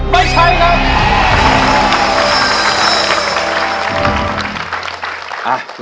ไม่ใช้ครับ